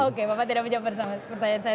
oke bapak tidak menjawab pertanyaan saya